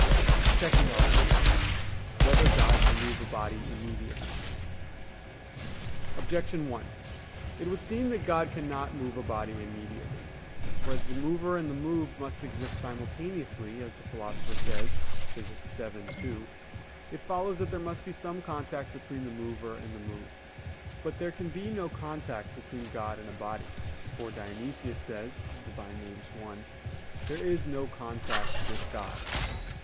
_______________________ SECOND ARTICLE [I, Q. 105, Art. 2] Whether God Can Move a Body Immediately? Objection 1: It would seem that God cannot move a body immediately. For as the mover and the moved must exist simultaneously, as the Philosopher says (Phys. vii, 2), it follows that there must be some contact between the mover and moved. But there can be no contact between God and a body; for Dionysius says (Div. Nom. 1): "There is no contact with God."